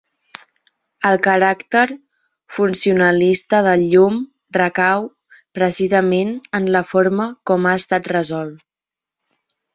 El caràcter funcionalista del llum recau, precisament, en la forma com ha estat resolt.